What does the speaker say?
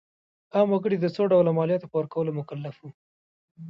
عام وګړي د څو ډوله مالیاتو په ورکولو مکلف وو.